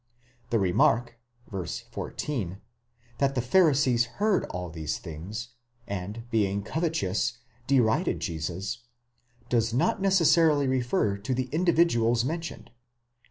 The remark (v. 14) that the Pharisees heard all these things, and, being covetous, derided Jesus, does not necessarily refer to the individuals men tioned xv.